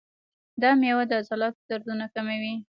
دا میوه د عضلاتو دردونه کموي.